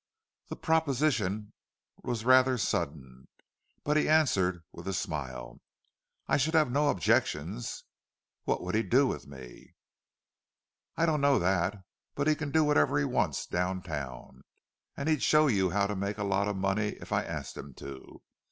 The proposition was rather sudden, but he answered, with a smile, "I should have no objections. What would he do with me?" "I don't know that. But he can do whatever he wants down town. And he'd show you how to make a lot of money if I asked him to."